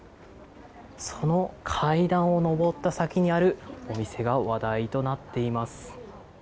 その階段を上った先にあるお店が話題となっています。